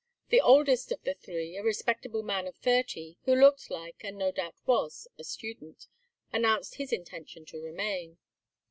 The oldest of the three, a respectable man of thirty, who looked like, and no doubt was, a student, announced his intention to remain.